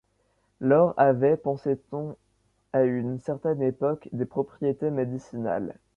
L'or avait, pensait-on à une certaine époque, des propriétés médicinales.